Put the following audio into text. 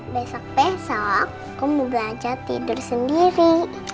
besok besok aku mau belajar tidur sendiri